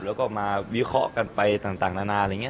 แล้วก็มาวิเคราะห์กันไปต่างนานาอะไรอย่างนี้